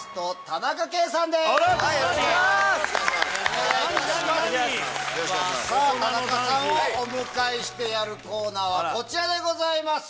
田中さんをお迎えしてやるコーナーはこちらでございます。